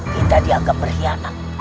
kita dianggap berkhianat